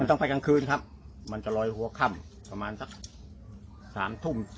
ต้องไปกลางคืนครับมันจะลอยหัวค่ำประมาณสักสามทุ่ม